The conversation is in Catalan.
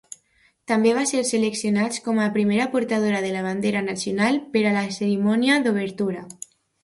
També va ser seleccionats com a primera portadora de la bandera nacional per a la cerimònia d'obertura.